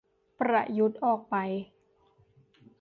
ประยุทธ์ออกไป